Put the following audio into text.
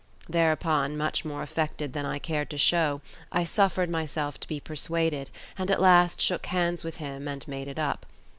Thereupon, much more affected than I cared to show, I suffered myself to be persuaded, and at last shook hands with him and made it up.